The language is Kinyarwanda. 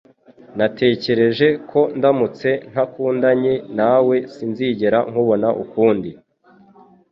Natekereje ko ndamutse ntandukanye nawe sinzigera nkubona ukundi